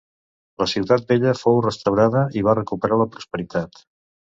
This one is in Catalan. La ciutat vella fou restaurada i va recuperar la prosperitat.